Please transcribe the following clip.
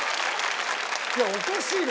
いやおかしいな。